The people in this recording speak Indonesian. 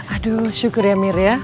aduh syukur ya mir ya